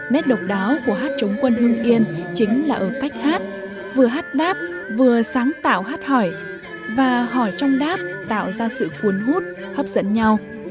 nét độc đáo của hát chống quân hương yên chính là ở cách hát vừa hát náp vừa sáng tạo hát hỏi và hỏi trong đáp tạo ra sự cuốn hút hấp dẫn nhau